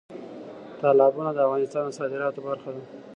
تالابونه د افغانستان د صادراتو برخه ده.